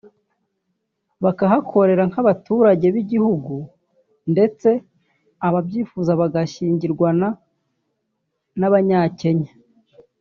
bakahakorera nk’abaturage b’igihugu ndetse ababyifuza bagashyingiranwa n’Abanyakenya